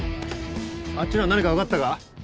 あっちは何か分かったか？